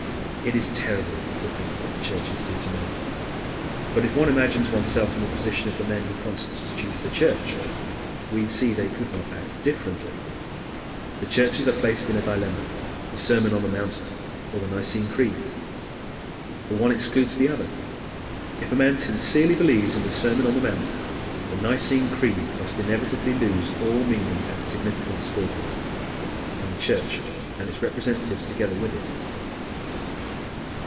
It is terrible to think what the churches do to men. But if one imagines oneself in the position of the men who constitute the Church, we see they could not act differently. The churches are placed in a dilemma: the Sermon on the Mount or the Nicene Creed the one excludes the other. If a man sincerely believes in the Sermon on the Mount, the Nicene Creed must inevitably lose all meaning and significance for him, and the Church and its representatives together with it.